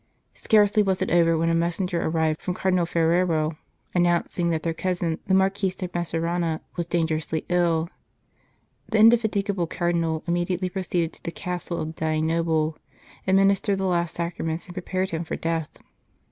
Scarcely was it over, when a messenger arrived from Cardinal Ferrero, announcing that their cousin, the Marquis de Messerano, was dangerously ill. The indefatigable Cardinal immediately pro ceeded to the castle of the dying noble, adminis tered the last Sacraments, and prepared him for death.